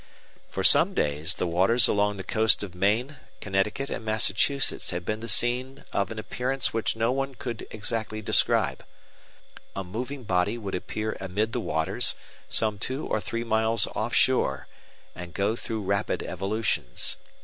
For some days the waters along the coast of Maine, Connecticut, and Massachusetts had been the scene of an appearance which no one could exactly describe. A moving body would appear amid the waters, some two or three miles off shore, and go through rapid evolutions.